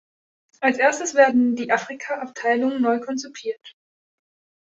Als erstes werden die Afrika-Abteilungen neu konzipiert.